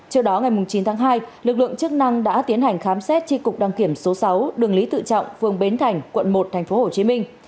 trước đó ngày chín tháng hai lực lượng chức năng đã tiến hành khám xét tri cục đăng kiểm số sáu đường lý tự trọng phường bến thành quận một tp hcm